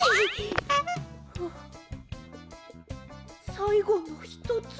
さいごのひとつ。